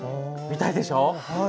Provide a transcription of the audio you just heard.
見たいでしょ？